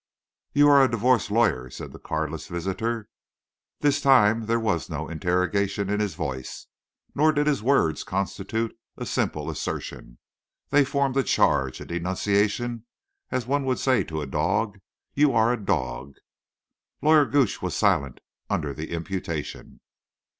"You are a divorce lawyer," said the cardless visitor. This time there was no interrogation in his voice. Nor did his words constitute a simple assertion. They formed a charge—a denunciation—as one would say to a dog: "You are a dog." Lawyer Gooch was silent under the imputation.